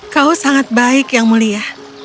kau sangat baik yang mulia